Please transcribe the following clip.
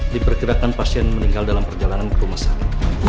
diperkirakan pasien meninggal dalam perjalanan ke rumah sakit